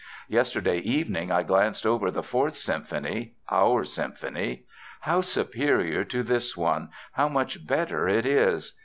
Yesterday evening I glanced over the Fourth Symphony, our symphony. How superior to this one, how much better it is!